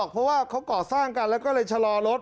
เพราะว่าเขาก่อสร้างกันแล้วก็เลยชะลอรถ